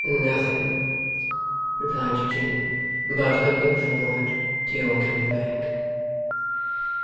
'Nothing,' replied Eugene, 'but looking forward to your coming back.